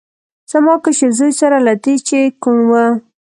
زما کشر زوی سره له دې چې کوڼ و.